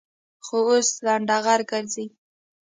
خو اوس لنډغر گرځي.